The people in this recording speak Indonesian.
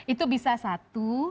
itu bisa satu